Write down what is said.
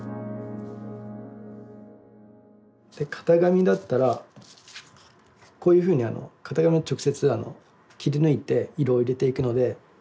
型紙だったらこういうふうに型紙を直接切り抜いて色を入れていくので。